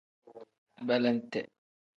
Belente.